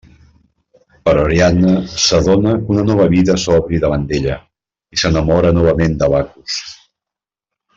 Però Ariadna s'adona que una nova vida s'obri davant d'ella, i s'enamora novament de Bacus.